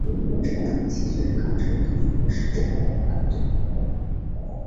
这种计算高程的方法称为高差法。